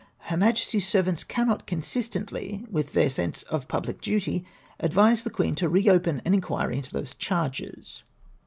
Her Majesty's servants cannot consistently with their sense of public duty advise the Queen to re open an inquiry into those charges.